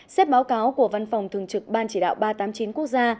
xét báo cáo của văn phòng thường trực ban chỉ đạo ba trăm tám mươi chín quốc gia